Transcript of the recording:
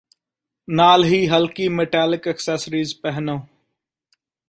ਨਾਲ ਹੀ ਹਲਕੀ ਮੈਟੇਲਿਕ ਐਕਸੈਸਰੀਜ਼ ਪਹਿਨੋ